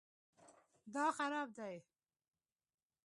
دا خراب دی